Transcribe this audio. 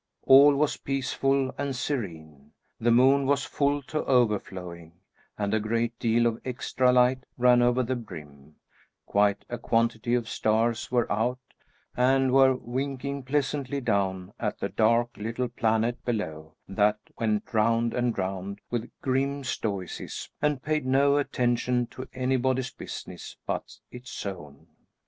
All was peaceful and serene; the moon was full to overflowing, and a great deal of extra light ran over the brim; quite a quantity of stars were out, and were winking pleasantly down at the dark little planet below, that went round, and round, with grim stoicism, and paid no attention to anybody's business but its own.